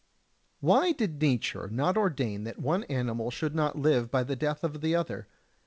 67. Why did nature not ordain that one animal should not live by the death of the other?